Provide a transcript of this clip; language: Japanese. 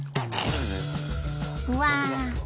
うわ！